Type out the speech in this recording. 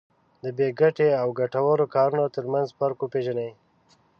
د بې ګټې او ګټورو کارونو ترمنځ فرق وپېژني.